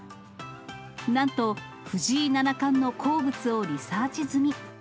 なんと、藤井七冠の好物をリサーチ済み。